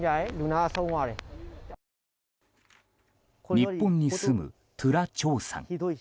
日本に住むトゥラ・チョーさん。